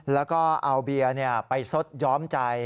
แล้วก็เอาเบียร์ไปซดย้อมใจ